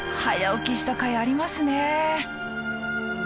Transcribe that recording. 早起きしたかいありますね。